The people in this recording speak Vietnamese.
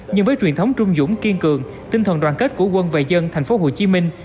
nhưng với truyền thống trung dũng kiên cường tinh thần đoàn kết của quân và dân thành phố hồ chí minh